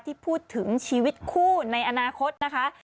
ที่พูดถึงชีวิตคู่ในอนาคตนะคะ